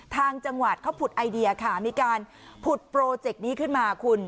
ทางจังหวัดเขาผุดไอเดียค่ะมีการผุดโปรเจกต์นี้ขึ้นมาคุณ